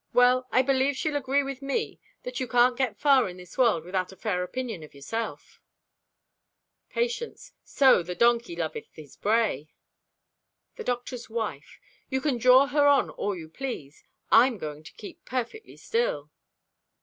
Well, I believe she'll agree with me that you can't get far in this world without a fair opinion of yourself." Patience.—"So the donkey loveth his bray!" The Doctor's Wife.—"You can draw her on all you please. I'm going to keep perfectly still."